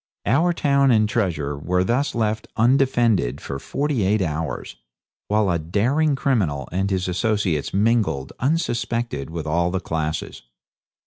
Our town and treasure were thus left undefended for forty eight hours, while a daring criminal and his associates mingled unsuspected with all classes.